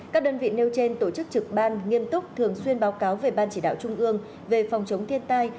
các đơn vị nêu trên tổ chức trực ban nghiêm túc thường xuyên báo cáo về ban chỉ đạo trung ương về phòng chống thiên tai